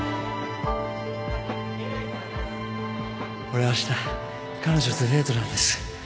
俺あした彼女とデートなんです